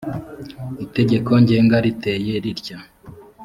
itegeko ngenga riteye ritya